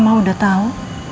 mama udah tahu